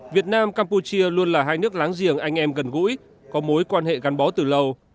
việt nam campuchia luôn là hai nước láng giềng anh em gần gũi có mối quan hệ gắn bó từ lâu